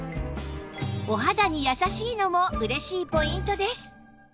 お肌にやさしいのも嬉しいポイントです